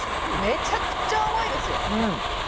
めちゃくちゃ甘いですよ。